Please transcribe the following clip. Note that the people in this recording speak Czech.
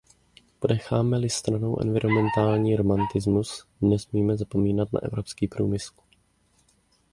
Ponecháme-li stranou environmentální romantismus, nesmíme zapomínat na evropský průmysl.